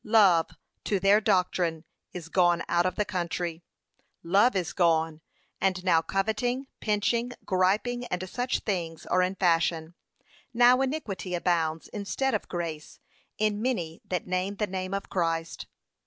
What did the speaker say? Love, to their doctrine, is gone out of the country.' 'Love is gone, and now coveting, pinching, griping, and such things, are in fashion; now iniquity abounds instead of grace, in many that name the name of Christ.'